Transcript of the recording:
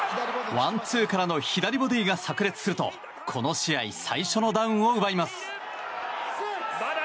ワンツーからの左ボディーがさく裂するとこの試合最初のダウンを奪います。